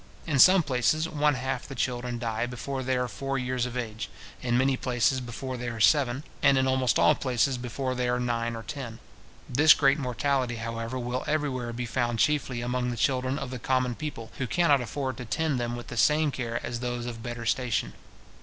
In some places, one half the children die before they are four years of age, in many places before they are seven, and in almost all places before they are nine or ten. This great mortality, however will everywhere be found chiefly among the children of the common people, who cannot afford to tend them with the same care as those of better station.